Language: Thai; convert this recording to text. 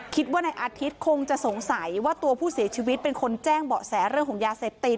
คิดว่าในอาทิตย์คงจะสงสัยว่าตัวผู้เสียชีวิตเป็นคนแจ้งเบาะแสเรื่องของยาเสพติด